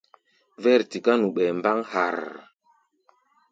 Vɛ̂r tiká nu ɓɛɛ mbáŋ harrr.